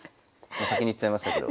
先に言っちゃいましたけど。